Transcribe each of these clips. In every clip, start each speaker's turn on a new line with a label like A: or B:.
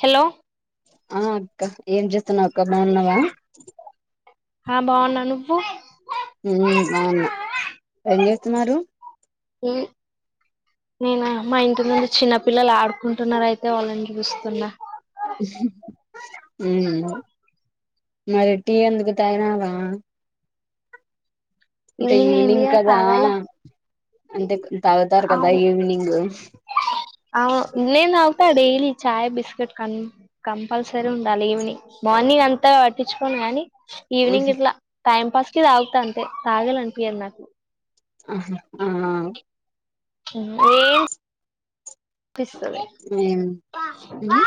A: Hello
B: ఆ అక్క ఏం చేస్తున్నావ్ అక్క బాగున్నావా
A: ఆ బాగున్నా నువ్వు
B: ఉ బావుగున్న ఏం చేస్తున్నారు
A: నేం నేనా మా ఇంటి నుండి చిన్న పిల్లలు ఆడుకుంటున్నారు అయితే వాళ్ళని చూస్తున్న
B: ఉమ్ మరి టీ ఎందుకు తాగినావ అంటే ఈవినింగ్
A: అయిందిగా
B: కదా
A: తాగాల
B: అంటే తాగుతారు కదా
A: అవును
B: ఈవినింగ్
A: అవును నేను తాగుతా డైలీ చాయ్ బిస్కెట్ కం కంపల్సరీ ఉండాలి ఈవినింగ్ మార్నింగ్ అంతా పట్టించుకోను కానీ ఈవనింగ్
B: ఉహు,
A: ఇట్లా టైం పాస్ కి తాగుతా అంతే తాగాలనిపియ్యదు నాకు
B: అహా ఆ
A: ఏం పిస్తది
B: ఏం ఉహు,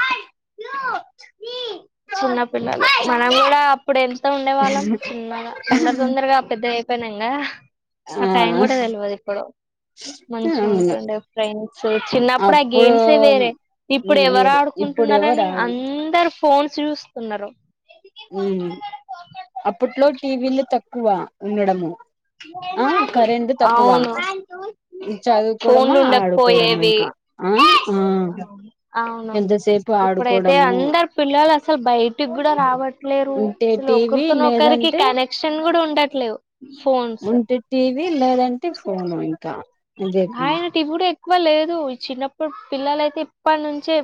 A: చిన్నపిల్లలు మనం కూడా అప్పుడే ఉండే వాళ్ళం చిన్నగా తొందర తొందరగా పెద్దగ అయిపోయినంగా ఆ టైం కూడా తెల్వదు ఇప్పుడు మంచిగా
B: అవును
A: ఉంటుండే ఫ్రెండ్స్ చిన్న
B: అప్పుడు
A: గేమ్సే వేరే ఇప్పుడు ఎవరు
B: మీరు ఇప్పుడు ఎవరు
A: ఆడుకుంటున్నారని
B: ఆడు
A: అందరు ఫోన్స్ చూస్తున్నారు
B: ఉ అప్పట్లో టీవీలు తక్కువ ఉండడము ఆ కరెంట్ తక్కువ
A: అవును
B: చదువుకోవడమా
A: ఫోన్లు
B: ఆడుకోవడమా
A: ఉండకపోయేవ
B: ఇంకా ఆ ఆ
A: అవును
B: ఎంతసేపు
A: ఇప్పుడైతే
B: ఆడుకోవడము
A: అందరు పిల్లలు అసలు బయటికి కూడా రావట్ లేరు
B: ఉంటే
A: అసలు
B: టీవీ
A: ఒకరితోన ఒకరికి
B: లేదంటే
A: కనెక్షన్ కూడా ఉండట్లేవు ఫోన్స్
B: ఉంటే టీవి లేదంటే ఫోను ఇంకా అదే
A: హాయనాటిటీవుడు ఎక్కువ లేదు చిన్నప్పుడు పిల్లలయితే ఇప్పటి నుంచే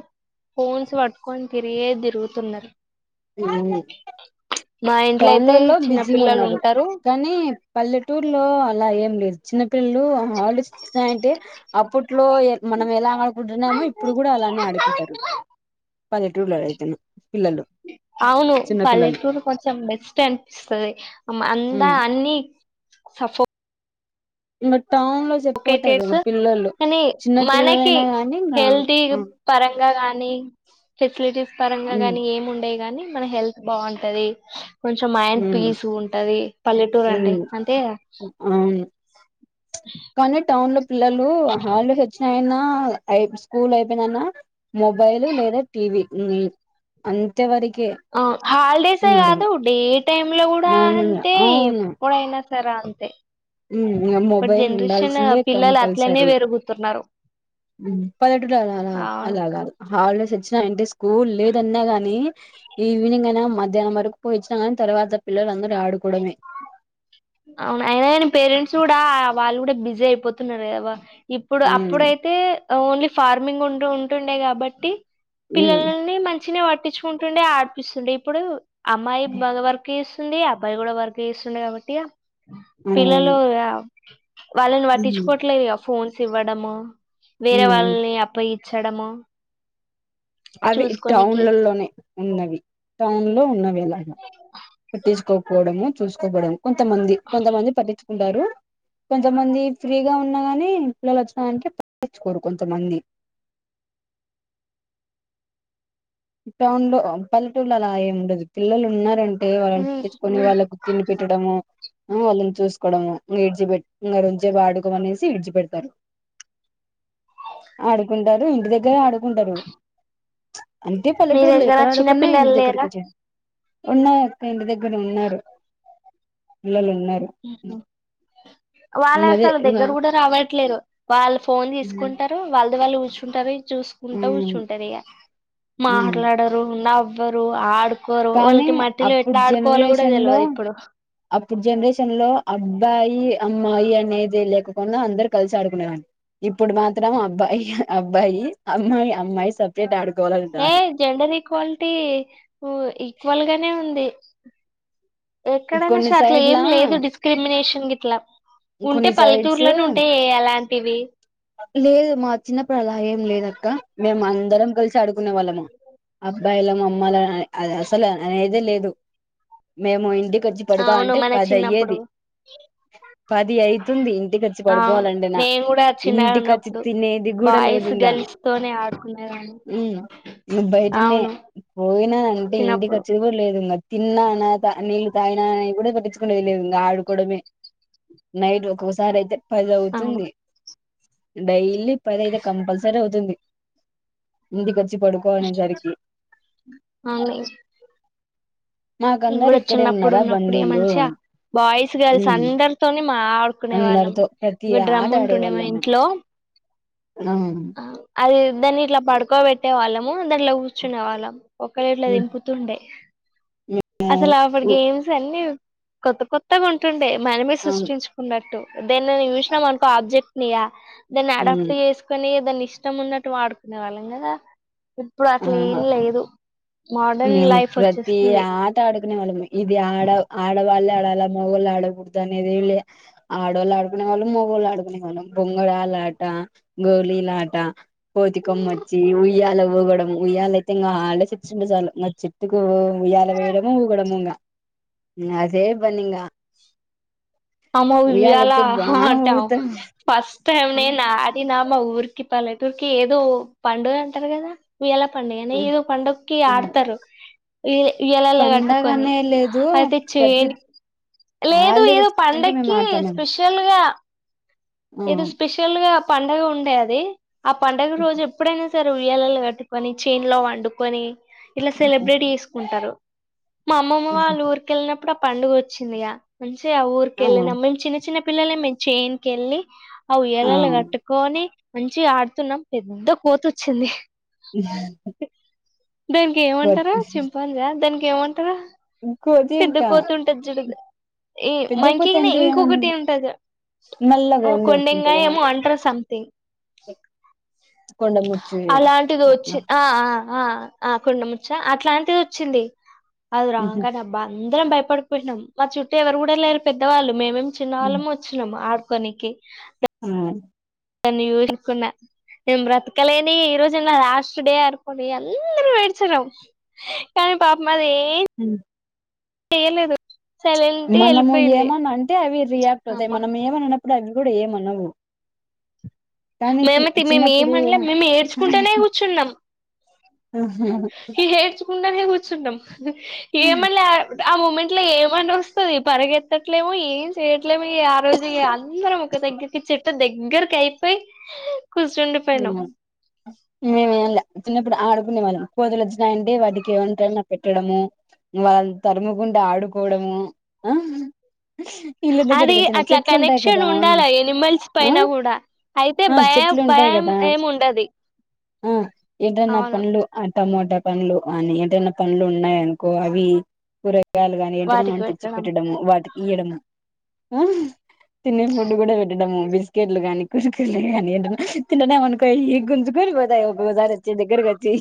A: ఫోన్స్ పట్టుకొని తిరిగే తిరుగుతున్నారు
B: ఉ
A: మా ఇంట్లో అయితే
B: టౌన్లో లో
A: చిన్న
B: బిజింగ్
A: పిల్లలు
B: ఉన్నారు
A: ఉంటారు
B: కానీ పల్లెటూర్ లో అలా ఏం లేదు చిన్న పిల్లలు హాలిడేస్ అంటే అప్పట్లో మనం ఎలా ఆడుకుంటున్నామో ఇప్పుడు కూడా అలానే ఆడుకుంటారు పన్నెట్ రూలుయితును
A: అవును పాలెటూర్ కొ కొంచె బెస్ట్ అనిపిస్తుంది అందా
B: ఉమ్
A: అన్ని సఫో
B: బట్
A: ఓకే కేసు కానీ
B: చిన్న
A: మనకి
B: పిల్లలైనా కానీ ఇంకా
A: హెల్తీ
B: ఉమ్
A: పరంగా కాని ఫ పరంగా
B: ఉమ్
A: గాని ఏం ఉండే గాని మన హెల్త్ బాగుంటది కొంచెం మైండ్ పీస్ ఉంటది పల్లెటూరు
B: ఉమ్
A: అంటే అంతే
B: కనీ ట ఉన్ పిల్లలు హళ్ళు హచ్చినయినా స్కూల్ అయిపోయిందన్న మొబైల్ లేదా టీవ అంతే వరకు
A: ఆ హాలిడేసే కాదు డే టైమ్ లో కూడా
B: నార్మల్గా
A: అంతే
B: అవును
A: ఎప్పుడైనా తరా అంతే ఇప్పుడు
B: మొబైల్
A: జనరేషన్
B: ఉండాల్సిందే
A: పిల్లలు అట్లనే
B: కంపల్సరీ
A: పెరుగుతున్నారు
B: పదటలు
A: అవును
B: అలాగాదు అవు సచ్చిన ఇంటే కూల్ లేదన్నా గాని ఈవినింగ్ అయినా మధ్యాహ్నం వరకు పోయి వచ్చినా తర్వాత పిల్ల అ
A: అవును అయనన పేరెంట్స్ కూడా వాళ్ళు కూడా బిజీ అయిపోతున్నారు కదా ఇప్పుడు
B: ఉమ్,
A: అప్పుడైతే ఓన్లీ ఫార్మింగ్ ఉంట ఇప్పుడు ఉంటుండే కాబట్టి
B: ఉమ్,
A: పిల్లలని మంచిిన పడు పట్టించుకుంటుండే ఆడిపిస్తుండే ఇప్పుడు అమ్మాయి బవర్కిీస్ సూందియా అబ్బాయే కూడా వర్క్ చేస్తుండు కాబట్టి
B: అవును
A: పిల్లలుయా కిక్ వాళ్ళని
B: ఉమ్,
A: వట్టించుకోవట్లేదుగా ఫోన్ సివడము వేరే
B: ఉమ్.
A: వాళ్ళని అప్పగి చదము
B: అవి టౌన్లలలోనే ఉన్నవి టౌన్ లో లో ఉన్నవేళ పెట్టించకోకపోవడము చూసుకో బోడము కొంతమంది కొంతమంది పాటించ్ ఉంటారు కొంతమంది ఫ్రీగా ఉన్నా కాగాని పిల్లలు వచ్చినడానికి పట్టించుకోరు కొంతమంది టౌన్ లో పల్లెటూర్లో అలా ఏ ఉండదు పిల్లలు ఉన్నారన్ టే వాళ్ళని
A: మీ
B: తెచ్చుకొని
A: మీ-
B: వాళ్ళకు తిండి పెట్టడము ఊ వాళ్ళని చూసు అక్కడ విడిచిపెట్టి ఆడుక అనేసి విడిచిపెడతారు ఆడుకుంటారు ఇంటి దగ్గరే ఆడు ఉండదు అంటే
A: మీ
B: పల్లెటూరులో
A: దగ్గర
B: ఎక్కడ ఆడుకున్నా ఇంటి
A: చిన్నపిల్లలు
B: దగ్గరకి
A: లేరా
B: వచ్చే ఉన్నాయి అక్క ఇంటి దగ్గర ఉన్నారు పిల్లలు ఉన్నారు
A: ఉమ్ హామ్ వాళ్ళు
B: అదే
A: అసలు దగ్గర కూడా రావట్లేరు వాళ్ళు ఫోన్ తీసుకుంటారు వాళ్ళది వాళ్ళు చుంటరి చూసుకుంటా కూర్చుంటది ఇగా
B: ఇంగ
A: మాట్లాడరు నవ్ బరు ఆడు కోరు
B: కానీ
A: వాళ్ళకి మట్టిలో
B: అప్పుడు
A: ఎట్లా ఆడుకోవాలో కూడా తెల్వది ఇప్పుడు
B: పూ జనరేషన్ లో అబ్బాయి అమ్మాయి అనేది లేకుండా అందరు కలిసి ఆడుకునీవాల్ ఇప్పుడు మాత్రం అబ్బాయి అబ్బాయి అమ్మాయి అమ్మాయి సపరేట్ ఆడుకు
A: ఏ జెండర్ ఈక్వాలిటీ ఉర్ ఈక్వల్ గానే ఉంది కిక్
B: కొన్ని సైడ్లా
A: డిస్క్రిమినేషన్ గిట్లా ఉంటే
B: కొన్ని సైడ్స్
A: పల్లెటూరులోనే ఉంటాయి అలాంటివి
B: లేదు మా చిన్నప్పుడు అలా ఏం లేద అక్క మేము అందరం కలిసి అడు వాళ్ళము అబ్బాయిల అమ్మ అసలు అనేదే లేదు మేము ఇంటికి చ్చి
A: అవును
B: పడుకోవాలంటే
A: మన
B: పది
A: చిన్నప్పుడు
B: అయ్యేది పది అవుతుంది ఇంటికిచ్చి
A: అవును
B: పడుకోవాలంటే నా
A: మేము కూడా చిన్నగా
B: ఇంటికిఖర్చ్చి
A: ఉన్నప్పుడు
B: తినేది కూడా లేదు
A: బాయ్స్
B: ఇంగా
A: గర్ల్స్ తోనే ఆడుకునేదాన్ని
B: నువ్ బయటనే
A: అవును
B: పోయినా అంటే
A: చిన్నప్పుడు
B: ఇంటికిఖర్చ్చిది కూడా లేదు తిన్నానా న తాగిన ఇప్పుడు పట్టించుకుని వెళ్లేదు ఆడు కూడమే నైట్ ఒక్కొక్కసారి అయితే ఫైద
A: అవును
B: అవుతుంది డైలీ ఇ పదైదు కంపల్సరీ అవుతుంది ఇందుక చ్చి పడుకో అనేసరికి
A: నీన్
B: మాకందరు
A: గూడ
B: ఇక్కడే
A: చిన్నప్పుడు
B: ఉన్నారా
A: ఉన్నప్పుడు ఇగ
B: బంధువులు
A: మంచిగా బాయ్స్ గర్ల్స్
B: ఉమ్
A: అందరితోని మా ఆడుకునే వాళ్ళం
B: అందరితో ప్రతి
A: ఇగొ డ్రమ్
B: ఆట ఆడే
A: ఉంటుండే మా
B: వాళ్ళం మేము
A: ఇంట్లో
B: ఆ
A: ఆ అది దాన్ని ఇట్ల పడుకోబెట్టే వాళ్ళము దాంట్లో కూర్చునే వాళ్ళం ఒకలిట్ల
B: ఉమ్
A: ఇంపుతుండే
B: ఆ
A: అసలఫడ్
B: ఉ
A: గేమ్స్ అన్ ని కొత్త కొత్తగా ఉంటుండే మనమే
B: అవును
A: సృష్టించుకున్నట్టు దేన్న న సా యూష్ణమనుకో ఆబ్జెక్ట్ లియా దాన్ని
B: ఉమ్
A: అడాప్ట్ యేసుకొని దాన్ని ఇష్టం ఉన్నట్టు వాడుకునే వాళ్ళం గదా ఇప్పుడు
B: ఆ
A: అట్లేం లేదు మోడర్న్ లైఫ్ ఒచ్చేస్తుంది
B: ట ఆడుకునే వాళ్ళమే ఇది ఆడవ్ ఆడవ వాళ్లే ఆడాల మొగోళ్ళు ఆడకూడదు అనేదేం లే, ఆడోళ్ళు ఆడుకునే వాళ్లు మొగోళ్ళు ఆడుకునే వాళ్ళం. బొంగరాల ఆట గోళీలాట కోతికమ్మొచ్చి ఉయ్యాల ఊగడం ఉయ్యాల అయితే ఇంగ హల్డేస్ ఇచ్చుండు జాలు. నచ్చి ట్టుకు ఉయ్యాల వేయడము ఊగడముంగా అదే పన్నీంగ
A: అమ్మో ఉయల హ హ ట
B: ఊగుతాం
A: ఫస్ టమే నా అది నామ ఊరికి పల్లెటూర్కి ఏదో పండుగ అంటరు గద ఉయల పండుగన ఏదో పండుకి ఆడతారు ఈ ఉయలలు గట్టుకొని
B: పండగనే లేదు
A: అయితే
B: ప్రతి
A: చేన్ లేదు
B: హాలిడే
A: ఏదో
B: తెచ్చుకున్నారంటే మేము
A: పండకి
B: ఆడతాం మేము
A: స్పెషల్ గా ఏదో స్పెషల్గా పండగ ఉండే అది ఆ పండుగ రోజు ఎప్పుడైనా స ఉయ్యాలలు కట్టుకొని చేన్ లో వండుకొని ఇట్లా సెలబ్రేట్ యేస్కుంటరు మా అమ్మమ్మ వాళ్ళ ఊరికెల్ నప్ అప్పుడు పండుగ వచ్చిందిగా ఆ ఊకెళ్ నమ్మ చిన్న చిన్న పిల్లలే మేము చేయిన్కి వెళ్ళి అవు
B: ఆ
A: ఎలలు కట్టుకొని మంచి ఆడుతున్నాం పెద్ద కోత వచ్చింది
B: ఇ
A: దానికి ఏమంటారా చింపాలగా దానికి కేమంటారు
B: కోతి ఇంకా
A: పెద్ద్దపోతుంటది జుడు ఈ
B: పెద్ద కోతి
A: మకినే
B: అంటే
A: ఇంకొకటి
B: ఏముండదు
A: ఉంటంది
B: నల్లగా ఉండి
A: కొండంగా
B: వచ్చింటదా
A: ఏమో అంటారు సంథింగ్
B: కొండ ముచ్చులా
A: అలాంటిది
B: అట్లా
A: వచ్చింది ఆ ఆ ఆ కొండ ముచ్చ అట్లాంటి వచ్చింది అద రాంగానేబ్బా అందరం భయపడిపోయినాం మా చుట్టూ ఎవరు కూడా లేరు పెద్దవాళ్ళు మేమేం చిన్న వాళ్ళము వచ్చినము కొ ననికి
B: ఆ
A: దన్ని చూించుకున్నా నేను బ్రతకలేని ఈ రోజున్న లాస్ట్ డే అర్కని అందరుూ వేడ్చన్నాం కానీ పాప మరి ఏ లేదు
B: మనము ఏమన్నా అంటే అవి రియాక్ట్వుాయి
A: అమ్మ
B: మనం ఏమ అనప్పుడు కూడా ఏమనవు కానీ
A: మేమ మేము
B: చిన్నప్పుడు
A: ఏమనలేం మేము ఏడ్చుకుంటేనే కూర్చున్నాం
B: ఆహ
A: చ్చుమ్ ఏమనలే ఆ మూమెంట్ ఇట్ ఏమని వస్తుంది పరిగెత్తట్లేముో ఏం చేయట్లేమో రోజు అందర ఒక దగ్గరికి చెట్ దగ్గర కై
B: ఇేే చిన్న ఇప్పుడు ఆడుకునే వాళ్ళం కోదల వచ్చినాయంటే వాటికి ఏమంటనా పెట్టడము వాళ్ళ తరుముకుంటడా ఆడుకోవడము ఇళ్ళ దగ్గరకి
A: అది
B: వచ్చిన
A: అట్లా
B: చెట్లు ఉంటాయి
A: కనెక్షన్
B: కదా
A: ఉండాలి ఎనిమల్స్
B: ఆ
A: పైన కూడా అయితే భయం భయం
B: అ
A: ఏమి ఉండది
B: ఆ ఏదన్నా
A: అవును
B: పనులు టమాటా పనులు అని ఏదైనా పనులు ఉన్నాయనుకో అవి కూర యలు కానీ ఏంటేనే
A: వాటికి
B: తెచ్చి
A: పెట్టడం
B: పెట్టడము వాటికి ఈయడం. ఉమ్ తినే ఫుడ్డు కూడా పెట్టడము. బిస్కెట్లు గానీ కురుకురేలు గానీ ఏంట. తింటున్నామనుకో గుంజుకొని పోతాయి ఒక్కొక్కసారి వచ్చి దగ్గరగోచ్చి.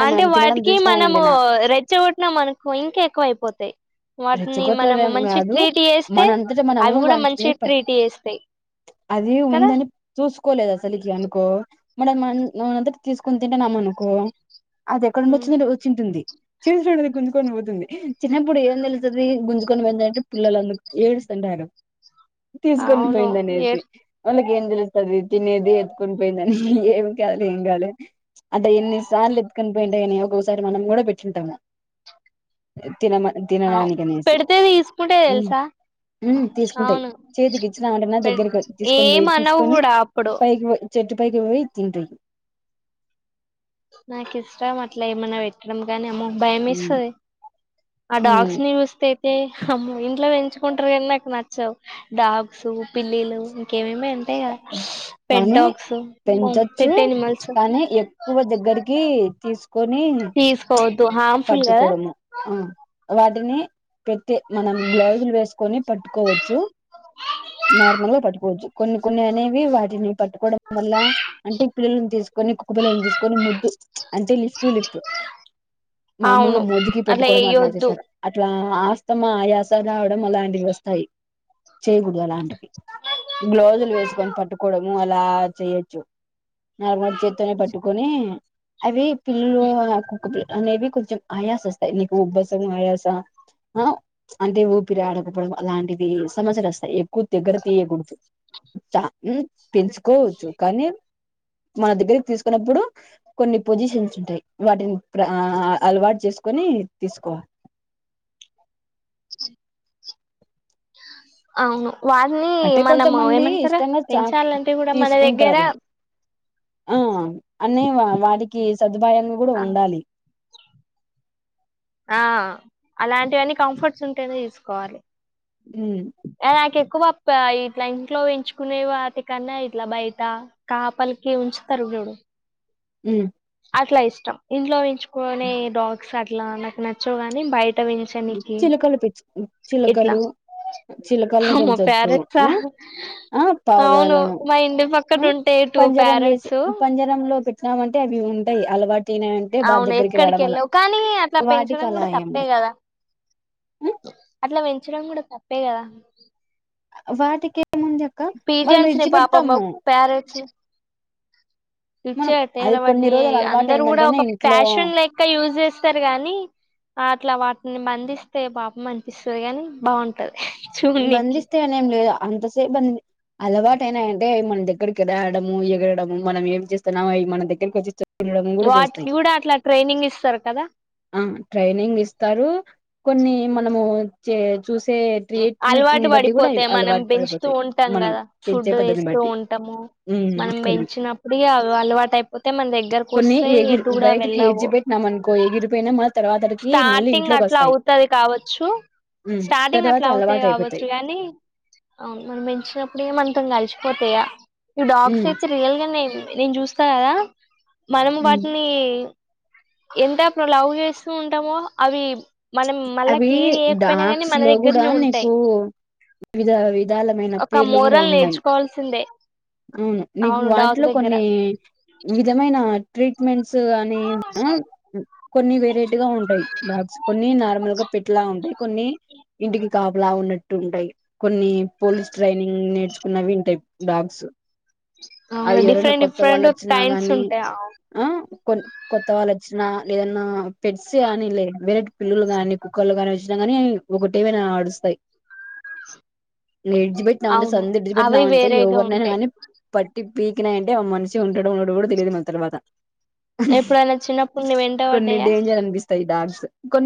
A: అంటే వాటికి మనము రెచ్చగొట్నాం అనుకో ఇంకా ఎక్కువ అయిపోతాయి. వాటిని మనము
B: రెచ్చగొట్టడం
A: మంచిగ
B: కాదు
A: ట్రీట్ చేస్తే
B: మనంతట మనము
A: అవి కూడా మంచి
B: వాటిని పట్
A: ట్రీట్ చేస్తాయి.
B: అది ఉందని చూసుకోలేదు అసలికి అనుకో మ మన మనమంతట తీసుకొని తింటున్నాం అనుకో. అది ఎక్కడ నుండి వచ్చిందంటే వచ్చుంటుంది. చేస్తున్నవి గుంజుకొని పోతుంది. చిన్నప్పుడు ఏం తెలుస్తది గుంజుకొని పోతుంటే పిల్లలు అందరూ ఏస్తుంటారు. తీసుకొని
A: అవును
B: పోయింది
A: ఏ
B: అనేసి వాళ్ళకి ఏం తెలుస్. ఏది ఎత్తుకోని పోయిందని ఏం కాలే ఏం కాలే. అట్లా ఎన్ని సార్లు ఎత్కని పోయింటయో అని. ఒకసారి మనం కూడా పెట్టింటాము. తిన తినడానికి అనేసి
A: పెడితే తీసుకుంటే
B: మ్మ్
A: తెలుసా
B: మ్మ్ తీసుకుంటాయ్
A: అవును
B: చేతికి ఇచ్చినామంటన్నా
A: పె
B: దగ్గరకి వచ్చి తీసుకొని పోయి
A: ఏమనవు
B: తీసుకొని
A: కూడా అప్పుడు
B: తీ పైకివొయ్. చెట్టు పైకి పోయి తింటయి.
A: నాకు ఇష్టం అట్లా ఏమన్నా పెట్టడం గానీ అమ్మో.
B: ఉమ్
A: భయమేస్తది. ఆ డాగ్స్ ని చూస్తే. ఏ అమ్మో ఇంట్లో పెంచుకుంటరు కానీ నాకు నచ్చవు. డాగ్స్ పిల్లిలు ఇంకేమేమో. పెట్
B: కానీ
A: డాగ్స్,
B: పెంచచ్చు
A: పెట్ ఎనిమల్స్
B: కానీ ఎక్కువ దగ్గరికి తీసుకొని
A: తీసుకోవద్. తో హార్మఫుల్గా.
B: పట్టుకోవడము ఆ వాటిని పెట్. మనం గ్లౌజులు వేసుకొని పట్టుకోవచ్చు. నార్మల్ గా పట్టుకోవచ్చు కొన్ని కొన్ని అనేవి వాటిని పట్టుకోవడం. వల్ల అంటే క్లీన్ చేసుకుని కుక్క పిల్లలను తీసుకొని ముద్దు అంటే లిఫ్ట్ టు లిఫ్ట్ మామూలుగా
A: అవును
B: మూతీకి పెట్టుకోవడం అట్లా
A: వేయొద్దు
B: చేస్తారు అట్లా. ఆస్తమా ఆయాసం రావడం అలాంటివి వస్తాయి చేయకూడదు. అలాంటివి. గ్లౌజులు వేసుకొని పట్టుకోవడము అలా. అలా చేయచ్చు. నార్మల్ చేత్తోనే పట్టుకొని అవి. పిల్లులు ఆహ్ కుక్క పిల్లలు. అనేవి కొంచెం ఆయాస వస్తాయి నీకు ఉబ్బసం ఆయాస ఆహ్ అంటే ఊపిరి ఆడకపోవడం అలాంటివి సమస్యలు వస్తాయి. దగ్గర తీయకూడదు కు. చ పెంచుకోవచ్చు కానీ మన దగ్గరికి తీసుకున్నప్పుడు కొన్ని పొజిషన్స్ ఉంటాయి వాటిని ప్ర అలవాటు చేసుకొని తీసుకోవాలి
A: అవును వాటిని
B: అంటే
A: మనము
B: కొంతమంది
A: ఏమంటారు
B: ఇష్టంగా చ
A: పెంచాలంటే కూడా మన దగ్గర
B: తీసుకుంటారు ఆ అన్న వాడికి సదుపాయాంగా కూడా
A: ఆ
B: ఉండాలి
A: ఆ అలాంటివన్నీ కంఫర్ట్స్ ఉంటేనే తీసుకోవాలి
B: ఉమ్
A: నాకు ఎక్కువ ఇట్లా ఇంట్లో పెంచుకునే వాటి కన్నా ఇట్లా బయట కాపలికి ఉంచుతరుడు
B: ఉమ్
A: అట్లా ఇష్టం ఇంట్లో పెంచు కొనే డాగ్స్ అ ట్లా నాకు నచ్చవుగాని బయట పెంచనికి
B: చిలకలు పిచ్చి
A: ఇట్లా
B: చిలకలు చిలకలను
A: మా
B: పెంచొచ్చు
A: ప్యారెట్సా
B: ఆ ఆ
A: అవును
B: పావుాలను
A: మా ఇంటి పక్కన ఉంటాయి టూ
B: పంజరం వేసి
A: ప్యారెట్స్
B: పంజర లో పెట్ సమ అంటే అవి ఉంటాయి అలవాటు అనా అంటే బా
A: అవును
B: దగ్గరికి
A: ఎక్కడికి
B: రాడం అలా
A: వెళ్ళవు కానీ అట్లా
B: వాటికి
A: పెంచడం
B: అలా
A: కూడా
B: ఏ
A: తప్పే కదా అట్లా పెంచడం కూడా తప్పే కదా
B: వాటిక
A: పీజిన్స్ న పాపమ్మ ప్యరెట్స్
B: మనం
A: ఇచ్చేట్టల
B: అది కొన్ని
A: వాటిని
B: రోజులు అలవాటు
A: అందరు కూడా
B: అయిందంటేనే
A: ఒక
B: ఇంట్లో
A: ప్యాషన్ లైక్గా యూజ్ చేస్తారు గానీ అట్లా వా మందిస్తే పాప అనిపిస్తుంది గాని బాగుంటది చూడ్నికి
B: బంధిస్తే అనే ఏం లేదు అంతసేపు బ అలవాటుయినా అంటే మన దగ్గరికి రావడము ఎగరడము మనం ఏం చేస్తున్నా అవి మన దగ్గరకి వచ్చి చూ
A: వాటికి కూడా అట్లా ట్రైనింగ్ ఇస్తారు కదా
B: ఆ ట్రైనింగ్ ఇస్తారు కొన్ని మనము చే చూసే ట్రీట్
A: అలవాటు పడిపోతా మనం పెంచుతూ ఉంటాం
B: మనం
A: కదా
B: పెంచే
A: ఫుడ్
B: పద్ధతిని
A: వేస్తూ
B: బట్టి
A: ఉంటాము
B: ఉమ్
A: మనం
B: కొన్ని
A: పెంచినప్పుటి అలవాటు అయిపోతే మన దగ్గరకు
B: కొన్ని
A: వస్తే
B: ఎగిరి
A: ఎటు కూడా
B: బయటికి
A: వెళ్ళవు
B: ఏడ్చి పెట్టినాం అనుకో ఎగిరిపోయినా మళ్ళ తర్వాతడికి మళ్ళీ
A: స్టార్టింగ్
B: ఇంట్లోకి
A: అట్లా
B: వస్తాయి
A: అవుతది కావచ్చు
B: ఉమ్
A: స్టార్టింగ్
B: తర్వాత
A: అట్లా అవుతాయి
B: అలవాటు
A: కావచ్చు
B: అయిపోతాయి
A: కానీ అవును మనం పెంచినప్పుడే మనంతం కలిచ కొత్తయ ఇవి డాగ్స్
B: ఉమ్
A: అయితే రియల్ గానే ఇవి నేను చూస్తా కదా మనం
B: ఉమ్
A: వాటిని ఎంతా ప్ర లవ్ చే స్తూ ఉంటాముో అవి మళ్ళా
B: అవి
A: కేర్ చేయకపోయినా గాని
B: డాడాక్స్
A: మన
B: లో కూడా
A: దగ్గరనే ఉంటాయి
B: నీకు వివిధ విధాలమైన
A: ఒక
B: పేర్లు కూడా
A: మోరల్
B: ఉన్నాయి
A: నేర్చుకోవాల్సిందే
B: అవును నీకు
A: డాగ్
B: వాటిలో
A: దగ్గర
B: కొన్ని విధమైన ట్రీట్మెంట్ స్ కానీ ఆ కొన్ని వెరైటీ గా ఉంటాయి డాగ్స్ కొన్ని నార్మల్ గా పెట్లా ఉంటాయి కొన్ని ఇంటికి కాపలా ఉన్న ట్టుంటాయ్ కొన్ని పోలీస్ ట్రైనింగ్ నేర్చుకున్నవింటయ్ డాగ్స్ అవి
A: అవున్
B: ఎవరైనా
A: డిఫరెంట్
B: కొత్త వాళ్ళు
A: డిఫరెంట్ కైండ్స్ ఉంటయ్ అవు
B: కొన్ కొత్త వాళ్ళు వచ్చినా లేదన్నా పెట్స్ కానీ లే వేరే పిల్లులు గానీ కుక్కలు ని వచ్చినా నీ ఒకటేవేనా అడుస్తయ్ ఇంగ్ విడిజిబెట్టినామంటే
A: అవును
B: సందుడిజి
A: అవి
B: బెట్టినామంటే
A: వేరేగా
B: ఎవరినైనా
A: ఉంటాయి
B: కానీ టి పీకి నై ఆమనిషి ఉంటడో వుండడో గూడ తెలిదు మరి తర్వాత
A: ఎప్పుడైనా చిన్నప్పుడు నువ్వు వెంట
B: కొన్ని
A: పడ్డాయా
B: డేంజర్ అనిబిస్తయ్ డాగ్స్ కొన్